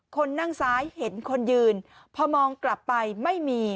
คนนั่งซ้ายเห็นคนยืนพอมองกลับไปไม่มี